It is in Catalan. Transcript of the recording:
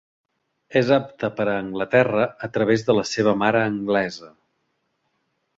És apte per a Anglaterra a través de la seva mare anglesa.